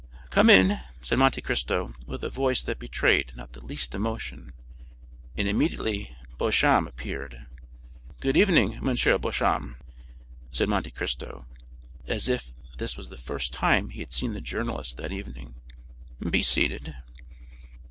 "Come in," said Monte Cristo with a voice that betrayed not the least emotion; and immediately Beauchamp appeared. "Good evening, M. Beauchamp," said Monte Cristo, as if this was the first time he had seen the journalist that evening; "be seated."